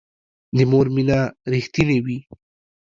د مور مینه رښتینې وي